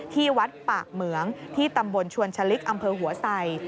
ที่วัดปากเหมืองที่ตำบลชวนชะลิกอำเภอหัวไส